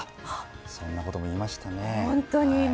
そんなことも言いましたね。